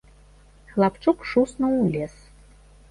Хлапчук шуснуў у лес.